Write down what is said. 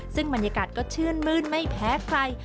ซึ่งบรรยากาศก็ชื่นมื้นไม่แพ้ใคร